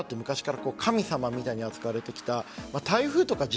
ある意味、クマは昔から神様みたいに扱われてきた。